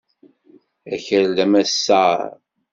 Akal d amassaṛ.